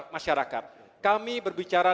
masyarakat kami berbicara